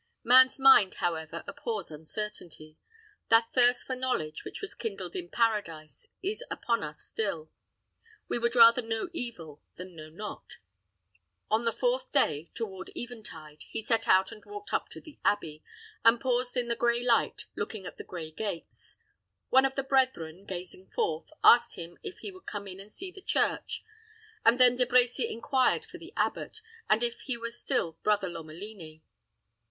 Man's mind, however, abhors uncertainty. That thirst for knowledge which was kindled in Paradise is upon us still. We would rather know evil than know not. On the fourth day, toward eventide, he set out and walked up to the abbey, and paused in the gray light, looking at the gray gates. One of the brethren, gazing forth, asked him if he would come in and see the church, and then De Brecy inquired for the abbot, and if he were still brother Lomelini.